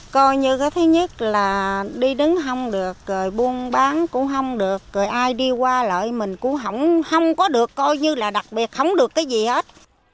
còn ai đi qua lại mình cũng không có được coi như là đặc biệt không được cái gì hết